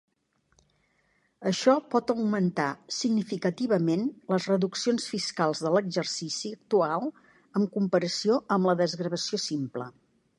Això pot augmentar significativament les reduccions fiscals de l'exercici actual en comparació amb la desgravació simple.